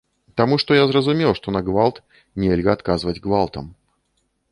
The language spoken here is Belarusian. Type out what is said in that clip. Таму што я зразумеў, што на гвалт нельга адказваць гвалтам.